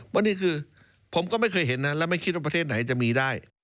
วันนี้คือผมก็ไม่เคยเห็นนะและไม่คิดว่าประเทศไหนจะมีได้